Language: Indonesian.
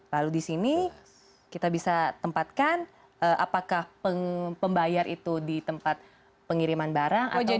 lalu di sini kita bisa tempatkan apakah pembayar itu di tempat pengiriman barang atau